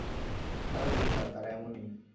তারা গুন্ডা, তারা এমনই।